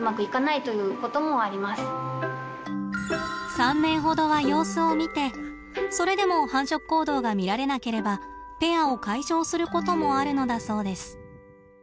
３年ほどは様子を見てそれでも繁殖行動が見られなければペアを解消することもあるのだそうです。